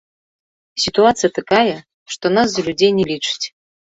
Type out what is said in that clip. Сітуацыя такая, што нас за людзей не лічаць.